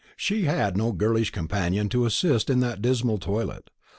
She had no girlish companion to assist in that dismal toilet.